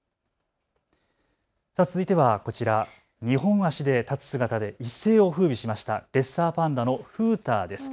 続いてはこちら、２本足で立つ姿で一世をふうびしましたレッサーパンダの風太です。